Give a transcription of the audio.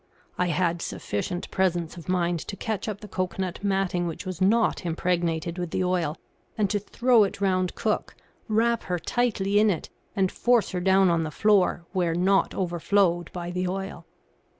I had sufficient presence of mind to catch up the cocoanut matting which was not impregnated with the oil, and to throw it round cook, wrap her tightly in it, and force her down on the floor where not overflowed by the oil.